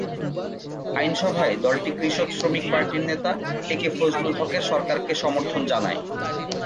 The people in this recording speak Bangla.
আইনসভায় দলটি কৃষক শ্রমিক পার্টির নেতা একে ফজলুল হকের সরকারকে সমর্থন জানায়।